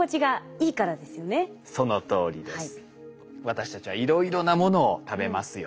私たちはいろいろなものを食べますよね。